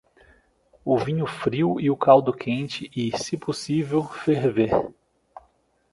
O vinho frio e o caldo quente e, se possível, ferver.